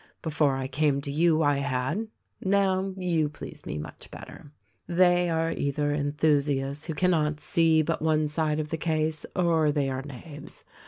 Before I came to you, I had. Now, you please me much better. They are either enthusiasts who cannot see but one side of the case, or they are knaves.